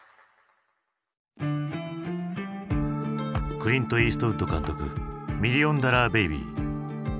クリント・イーストウッド監督「ミリオンダラー・ベイビー」。